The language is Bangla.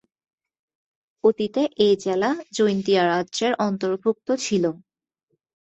অতীতে এ জেলা জৈন্তিয়া রাজ্যের অন্তর্ভুক্ত ছিল।